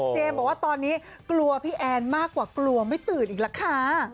บอกว่าตอนนี้กลัวพี่แอนมากกว่ากลัวไม่ตื่นอีกแล้วค่ะ